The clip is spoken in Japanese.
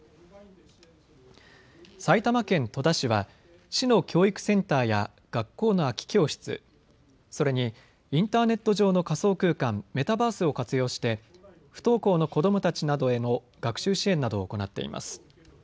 埼玉県戸田市は市の教育センターや学校の空き教室、それにインターネット上の仮想空間、メタバースを活用して不登校の子どもたちなどへの学習支援などを行っています。